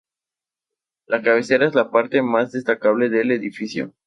La cabecera es la parte más destacable del edificio.